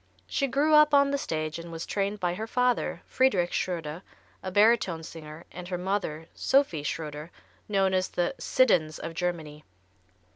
She grew up on the stage, and was trained by her father, Friedrich Schröder, a baritone singer, and her mother, Sophie Schröder, known as the "Siddons of Germany."